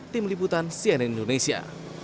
tim liputan sian indonesia